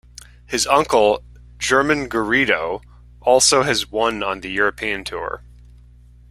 His uncle, German Garrido, also has won on the European Tour.